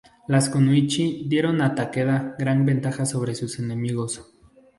Las Kunoichi dieron a Takeda una gran ventaja sobre sus enemigos.